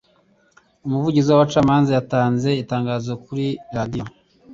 Umuvugizi w'abacamanza yatanze itangazo kuri radiyo